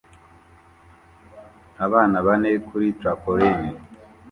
Abana bane kuri trampoline